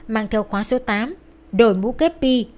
mang theo khóa số tám đổi mũ kép bi